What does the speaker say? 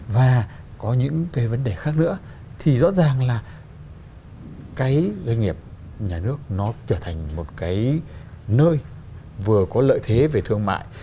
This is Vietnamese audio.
và có những cái vấn đề khác nữa thì rõ ràng là cái doanh nghiệp nhà nước nó trở thành một cái nơi vừa có lợi thế về thương mại